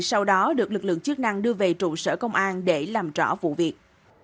sau đó được lực lượng chức năng đưa về trụ sở công an để làm rõ vụ việc